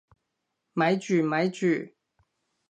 咪住咪住！